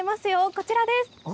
こちらです。